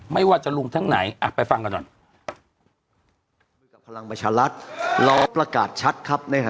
ไม่ว่าจะลุงทั้งไหนไปฟังกันหน่อย